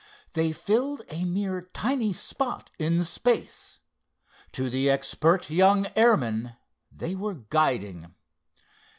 They filled a mere tiny spot in space. To the expert young airman they were guiding.